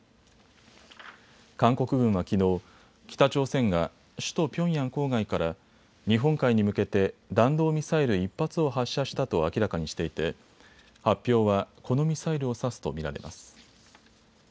韓国軍はきのう北朝鮮が首都ピョンヤン郊外から日本海に向けて弾道ミサイル１発を発射したと明らかにしていて発表はこのミサイルを指すと見られます。